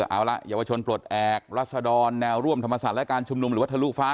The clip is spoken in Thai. เอาละเยาวชนปลดแอบรัศดรแนวร่วมธรรมศาสตร์และการชุมนุมหรือว่าทะลุฟ้า